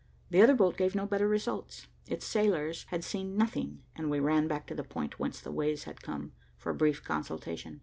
The other boat gave no better results. Its sailors had seen nothing, and we ran back to the point whence the waves had come, for a brief consultation.